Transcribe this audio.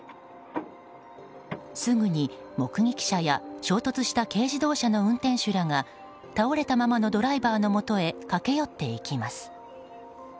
すぐに目撃者や衝突した軽自動車の運転手らが倒れたままのドライバーのもとへ駆け寄っていきます。